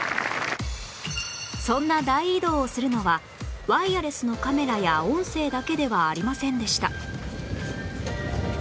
そんな大移動をするのはワイヤレスのカメラや音声だけではありませんでした